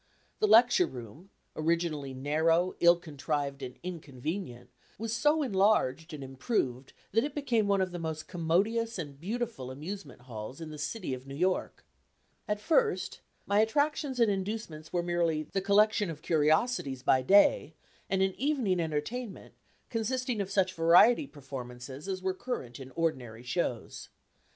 The Lecture Room, originally narrow, ill contrived and inconvenient, was so enlarged and improved that it became one of the most commodious and beautiful amusement halls in the City of New York. At first, my attractions and inducements were merely the collection of curiosities by day, and an evening entertainment, consisting of such variety performances as were current in ordinary shows.